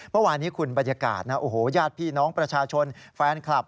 เมื่อวานนี้คุณบรรยากาศนะโอ้โหญาติพี่น้องประชาชนแฟนคลับ